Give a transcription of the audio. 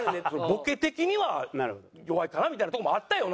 ボケ的には弱いかなみたいなとこもあったよ